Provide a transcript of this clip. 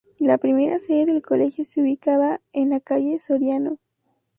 La primera sede del Colegio se ubicaba en la calle Soriano.